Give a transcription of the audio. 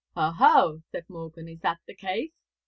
'Ho, ho!' said Morgan, 'is that the case?